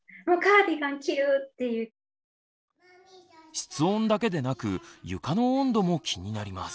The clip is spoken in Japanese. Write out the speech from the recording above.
室温だけでなく床の温度も気になります。